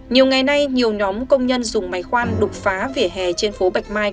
nhiều ngày nay nhiều nhóm công nhân dùng máy khoan đục phá vỉa hè trên phố bạch mai